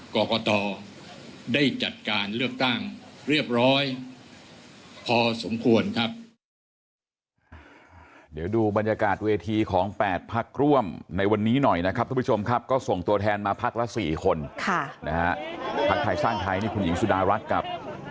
กรกตได้จัดการเลือกตั้งเรียบร้อยพอสมควรครับ